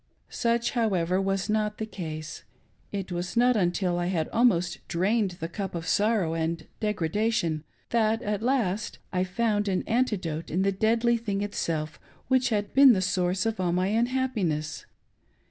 Such, however, was not the case. It w'as not until t had dmost drained the' cup of sorrow and degradation that, at last, Ifound an antidote in the deadly thing itself which had been the source of all my unhappineSs.